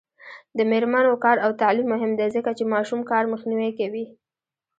د میرمنو کار او تعلیم مهم دی ځکه چې ماشوم کار مخنیوی کوي.